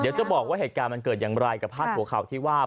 เดี๋ยวจะบอกว่าเหตุการณ์มันเกิดอย่างไรกับพาดหัวข่าวที่ว่า